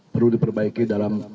perlu diperbaiki dalam